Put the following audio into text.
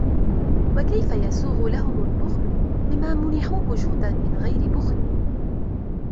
وَكَيْفَ يَسُوغُ لَهُمْ الْبُخْلُ بِمَا مُنِحُوهُ جُودًا مِنْ غَيْرِ بُخْلٍ